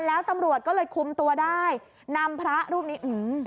แล้วตำรวจก็เลยคุมตัวได้นำพระรูปนี้อืม